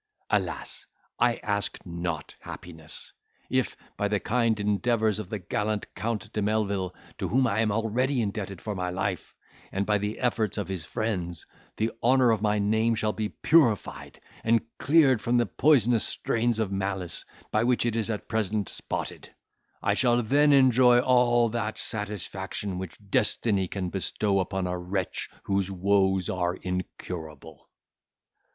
Alas! I ask not happiness! If, by the kind endeavours of the gallant Count de Melvil, to whom I am already indebted for my life, and by the efforts of his friends, the honour of my name shall be purified and cleared from the poisonous stains of malice by which it is at present spotted, I shall then enjoy all that satisfaction which destiny can bestow upon a wretch whose woes are incurable."